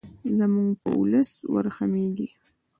زموږ په ولس ورحمیږې.